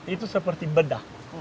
itu seperti bedah